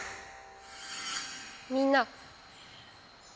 みんな。